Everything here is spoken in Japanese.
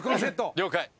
了解。